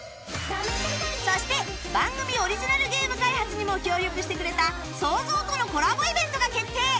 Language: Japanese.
そして番組オリジナルゲーム開発にも協力してくれた ＳＯＺＯＷ とのコラボイベントが決定！